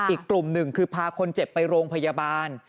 อีกกลุ่มหนึ่งคือพาคนเจ็บไปโรงพยาบาล